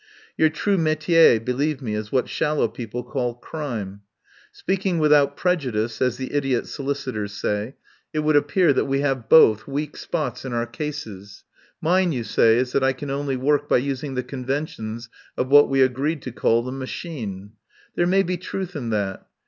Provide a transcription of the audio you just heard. Your true metier, believe me, is what shallow people call crime. Speaking 'with out prejudice,' as the idiot solicitors say, it 198 THE POWER HOUSE would appear that we have both weak spots in our cases. Mine, you say, is that I can only work by using the conventions of what we agreed to call the Machine. There may be truth in that.